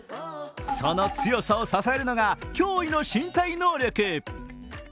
その強さを支えるのが驚異の身体能力。